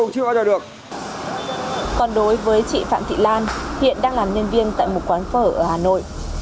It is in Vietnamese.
còn đối với chị phạm thị lan hiện đang làm nhân viên tại một quán phở ở hà nội